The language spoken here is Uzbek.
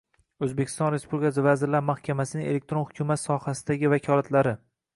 O‘zbekiston Respublikasi Vazirlar Mahkamasining elektron hukumat sohasidagi vakolatlari